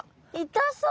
痛そう！